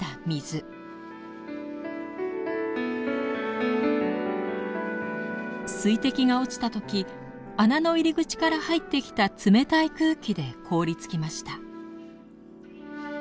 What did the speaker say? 水滴が落ちた時穴の入り口から入ってきた冷たい空気で凍りつきました。